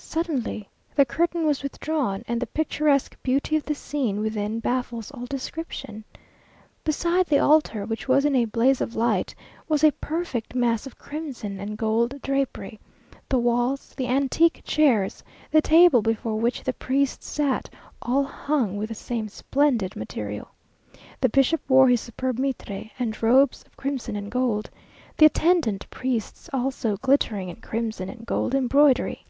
Suddenly the curtain was withdrawn, and the picturesque beauty of the scene within baffles all description. Beside the altar, which was in a blaze of light, was a perfect mass of crimson and gold drapery; the walls, the antique chairs, the table before which the priests sat, all hung with the same splendid material. The bishop wore his superb mitre and robes of crimson and gold; the attendant priests also glittering in crimson and gold embroidery.